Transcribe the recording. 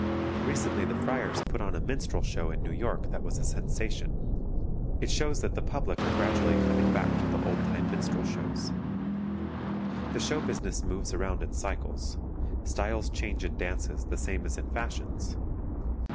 Recently the Friars put on a Minstrel Show in New York that was a sensation. It shows that the public are gradually coming back to the old time Minstrel Shows. The show business moves around in cycles; styles change in dances the same as in fashions.